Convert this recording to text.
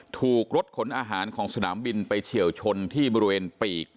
ถูกรถขนอาหารของสนามบินไปเฉียวชนที่บริเวณปีก